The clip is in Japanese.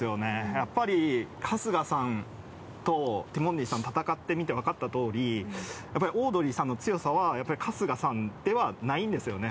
やっぱり春日さんとティモンディさん戦ってみて分かった通りやっぱりオードリーさんの強さはやっぱり春日さんではないんですよね。